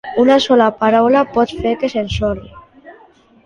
Una sola paraula pot fer que s'ensorri.